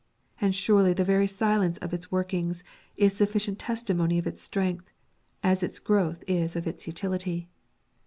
And surely the very silence of its workings is sufficient testimony of its strength, as its growth is of its utility.